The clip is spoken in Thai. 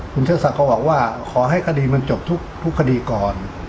คุณเชิดศักดิ์ก็บอกว่าขอให้คดีมันจบทุกคดีก่อน